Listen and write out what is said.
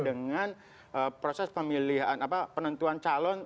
dengan proses pemilihan penentuan calon